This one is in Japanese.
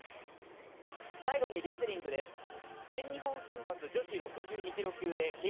最後にレスリングです。